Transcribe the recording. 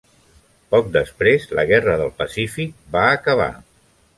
Poc després, la guerra del Pacífic va acabar.